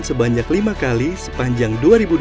sebanyak lima kali sepanjang dua ribu dua puluh